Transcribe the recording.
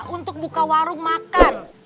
untuk buka warung makan